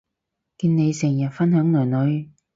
見你成日分享囡囡